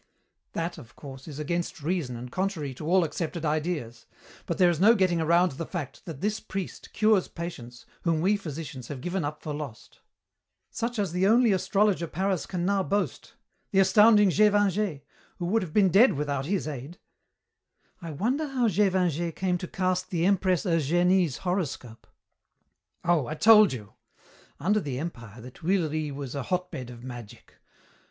"That, of course, is against reason and contrary to all accepted ideas, but there is no getting around the fact that this priest cures patients whom we physicians have given up for lost." "Such as the only astrologer Paris now can boast, the astounding Gévingey, who would have been dead without his aid. I wonder how Gévingey came to cast the Empress Eugenie's horoscope." "Oh, I told you. Under the Empire the Tuileries was a hotbed of magic.